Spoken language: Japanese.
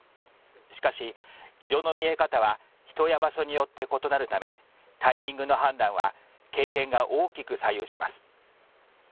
しかし、色の見え方は人や場所によって異なるためタイミングの判断は経験が大きく左右します。